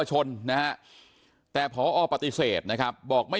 เชิงชู้สาวกับผอโรงเรียนคนนี้